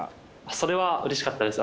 それはうれしかったです。